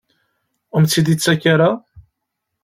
Ur am-tt-id-yettak ara?